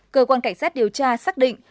cơ quan cảnh sát điều tra xác định